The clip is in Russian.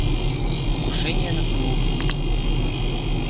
Покушение на самоубийство.